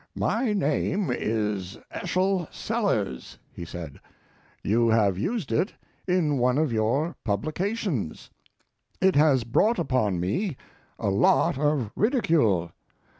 "My name is Eschol Sellers," he said. "You have used it in one of your publications. It has brought upon me a lot of ridicule.